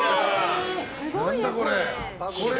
何だ、これ。